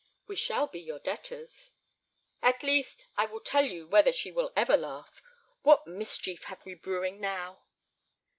"We shall be your debtors." "At least—I will tell you whether she will ever laugh. What mischief have we brewing now?"